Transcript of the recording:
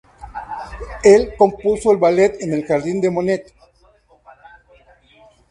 Él compuso el ballet "En el jardín de Monet".